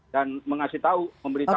dan mengasih tahu memberi tahu